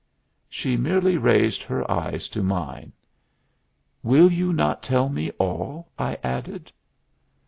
She merely raised her eyes to mine. "Will you not tell me all?" I added.